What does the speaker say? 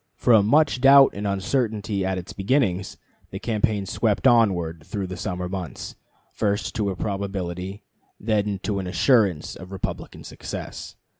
From much doubt and uncertainty at its beginning, the campaign swept onward through the summer months, first to a probability, then to an assurance of Republican success.